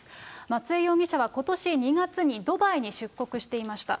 松江容疑者はことし２月にドバイに出国していました。